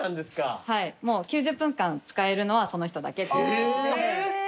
はいもう９０分間使えるのはその人だけっていう感じで。